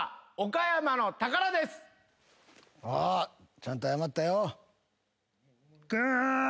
ちゃんと謝ったよ。